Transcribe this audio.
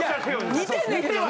いや似てんねんけどな。